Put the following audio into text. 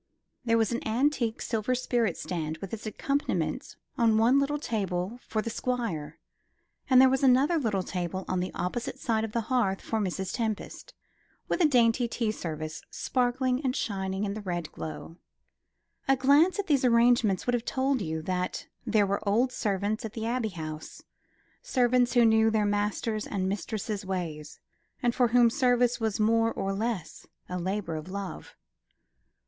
There was an antique silver spirit stand with its accompaniments on one little table for the Squire, and there was another little table on the opposite side of the hearth for Mrs. Tempest, with a dainty tea service sparkling and shining in the red glow. A glance at these arrangements would have told you that there were old servants at the Abbey House, servants who knew their master's and mistress's ways, and for whom service was more or less a labour of love.